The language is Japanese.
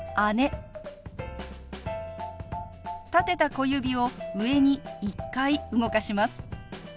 立てた小指を上に１回動かします。